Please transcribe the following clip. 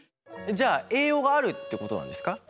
じゃあ栄養があるってことなんですか？